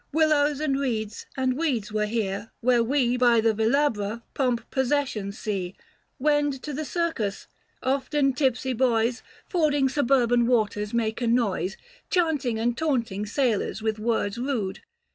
Willows and reeds and weeds were here, where we 475 By the Velabra pomp processions see Wend to the circus ; often tipsy boys Fording suburban waters make a noise Chanting and taunting sailors with words rude.